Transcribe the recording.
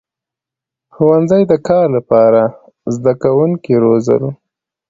• ښوونځي د کار لپاره زدهکوونکي روزل.